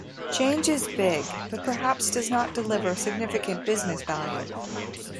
Change is big but perhaps does not deliver significant business value.